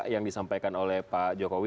yang disampaikan oleh pak jokowi